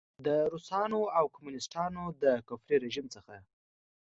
د روسانو او کمونیسټانو د کفري رژیم څخه.